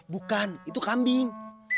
bukan itu kambing